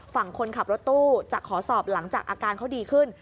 ฝั่งคนขับรถตู้จะขอสอบหลังจากอาการเขาดีขึ้น